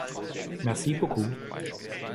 Merci beaucoup!